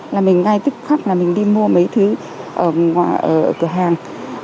là mình ngay tức khắc là mình đi mua mấy thứ ở cửa hàng